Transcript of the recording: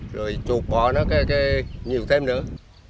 rồi chuột bỏ nó cho nhiều thêm nữa